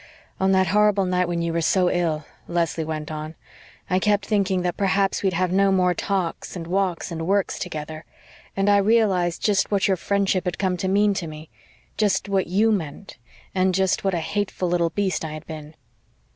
"On that horrible night when you were so ill," Leslie went on, "I kept thinking that perhaps we'd have no more talks and walks and WORKS together. And I realised just what your friendship had come to mean to me just what YOU meant and just what a hateful little beast I had been."